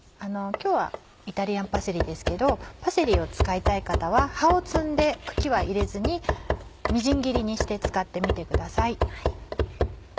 今日はイタリアンパセリですけどパセリを使いたい方は葉を摘んで茎は入れずにみじん切りにして使ってみてください。